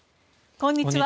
こんにちは。